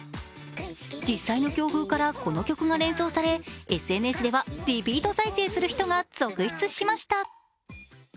実際の強風からこの曲が連想されＳＮＳではリピート再生する人が続出しました。